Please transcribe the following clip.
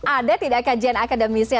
ada tidak kajian akademisnya